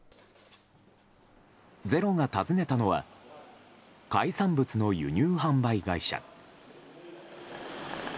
「ｚｅｒｏ」が訪ねたのは海産物の輸入販売会社。